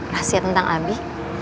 rahasia tentang abi